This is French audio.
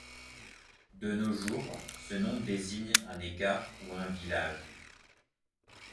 De nos jours, ce nom désigne un écart ou un village.